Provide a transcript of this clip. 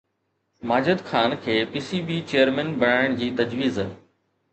ماجد خان کي P C B chairman بڻائڻ جي تجويز